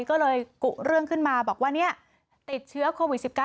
ก็เลยกุเรื่องขึ้นมาบอกว่าติดเชื้อโควิด๑๙